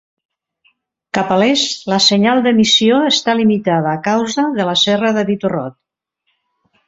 Cap a l'est, la senyal d'emissió està limitada a causa de la serra de Bitterroot.